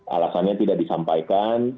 alasannya tidak disampaikan